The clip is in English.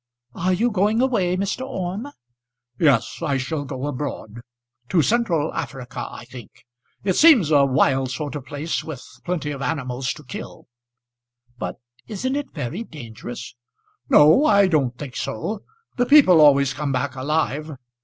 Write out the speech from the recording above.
"Are you going away, Mr. Orme?" "Yes, I shall go abroad, to Central Africa, I think. It seems a wild sort of place with plenty of animals to kill." "But isn't it very dangerous?" "No, I don't think so. The people always come back alive.